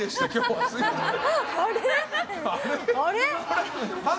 あれ？